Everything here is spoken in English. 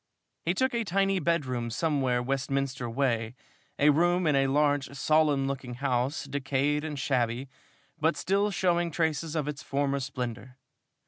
He took a tiny bedroom somewhere Westminster way a room in a large, solemn looking house, decayed and shabby, but still showing traces of its former splendor.